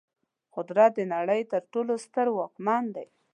قدرت د نړۍ تر ټولو ستر واکمن دی.